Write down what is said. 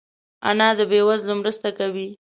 انا د بې وزلو مرسته کوي